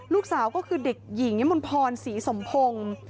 ลูกสาวก็คือเด็กหญิงยมนพรศรีสมพงศ์